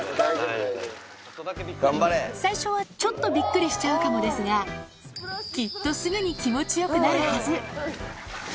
最初はちょっとびっくりしちゃうかもですが、きっとすぐに気持ちよくなるはず。